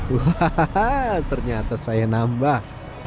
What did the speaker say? wuhahaha ternyata saya nambah